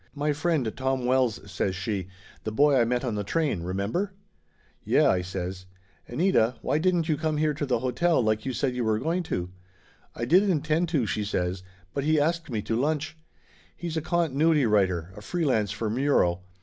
"My friend, Tom Wells," says she, "The boy I met on the train remember ?" "Yeh !" I says. "Anita, why didn't you come here to the hotel like you said you were going to ?" "I did intend to," she says, "but he asked me to lunch. He's a continuity writer, a free lance for Muro.